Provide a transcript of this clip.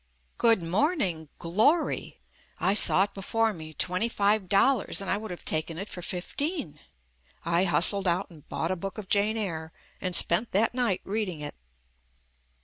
Good Morning, Glory! I saw it before me, twenty five dollars and I would have taken it for fifteen. I hustled out and bought a book of Jane Eyre and spent that night reading it.